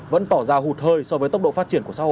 vẫn tỏ ra hụt hơi so với tốc độ phát triển của xã hội